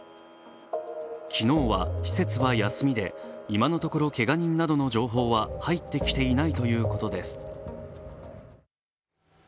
昨日は施設は休みで今のところけが人などの情報は入ってきていないということです。